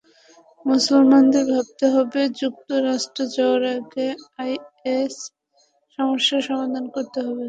মুসলমানদের ভাবতে হবে, যুক্তরাষ্ট্রে যাওয়ার আগে আইএস সমস্যার সমাধান করতে হবে।